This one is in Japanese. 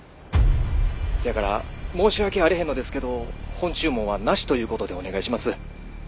☎せやから申し訳あれへんのですけど本注文はなしということでお願いします。